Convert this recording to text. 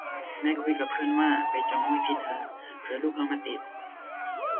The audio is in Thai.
แม่คุยกับเพื่อนว่าไปจองวัคซีนเหอะ เผื่อลูกเอามาติด